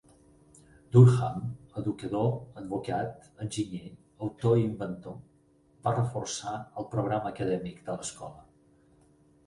Durham, educador, advocat, enginyer, autor i inventor, va reforçar el programa acadèmic de l'escola.